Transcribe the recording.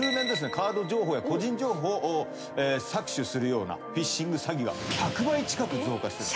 カード情報や個人情報を搾取するようなフィッシング詐欺が１００倍近く増加してる。